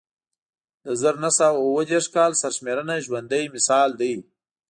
د زر نه سوه اووه دېرش کال سرشمېرنه ژوندی مثال دی